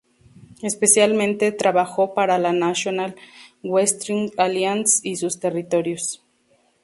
Especialmente trabajó para la National Wrestling Alliance y sus territorios.